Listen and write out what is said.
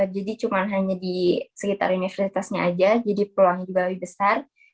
jadi cuma hanya di sekitar universitasnya aja jadi peluangnya juga lebih besar